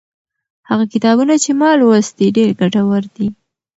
هغه کتابونه چې ما لوستي، ډېر ګټور دي.